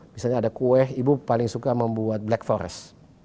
misalnya ada kue ibu paling suka membuat black forest